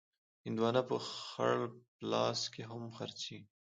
هندوانه په خړ پلاس کې هم خرڅېږي.